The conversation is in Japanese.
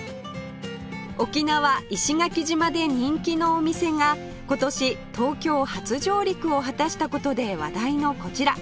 沖縄石垣島で人気のお店が今年東京初上陸を果たした事で話題のこちら